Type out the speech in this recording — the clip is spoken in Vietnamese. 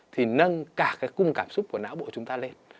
thì nâng cả cái cung cảm xúc của não bộ chúng ta lên